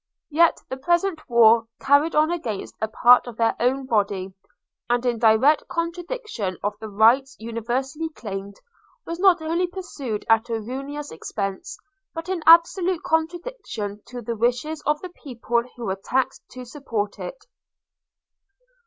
Yet the present war, carried on against a part of their own body, and in direct contradiction of the rights universally claimed, was not only pursued at a ruinous expence, but in absolute contradiction to the wishes of the people who were taxed to support it.